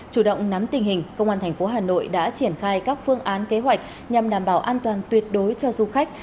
chủ động nắm tình hình công an thành phố hà nội đã triển khai các phương án kế hoạch nhằm đảm bảo an toàn tuyệt đối cho du khách